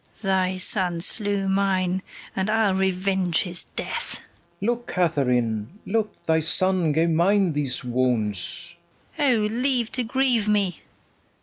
Thy son slew mine, and I'll revenge his death. FERNEZE. Look, Katharine, look! thy son gave mine these wounds. KATHARINE. O, leave to grieve me!